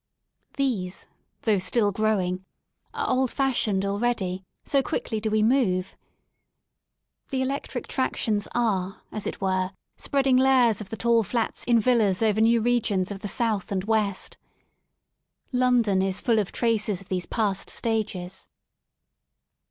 These, though still growing, are old fashioned already, so quickly do we move. The electric tractions are, as it were, spreading layers of the tall flats in villas over new regions of the south and west. London is full of traces of these past stages.